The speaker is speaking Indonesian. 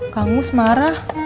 kang mus marah